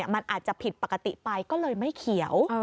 มันอาจจะผิดปกติไปก็เลยไม่เขียว